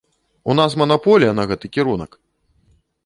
У нас манаполія на гэты кірунак!